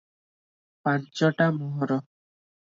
ପାଞ୍ଚଟା ମୋହର ।